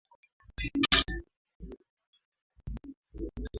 zina mbinu za kuthibitisha madai ya aina yoyote chini ya ushirika wa nchi za maziwa makuu